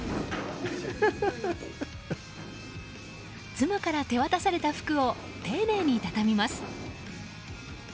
妻から手渡された服を丁寧に畳みます。